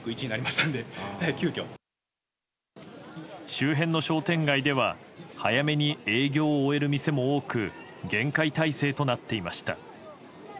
周辺の商店街では早めに営業を終える店も多く厳戒態勢となっていました。